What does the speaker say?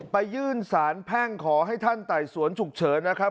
ไปยื่นสารแพ่งขอให้ท่านไต่สวนฉุกเฉินนะครับ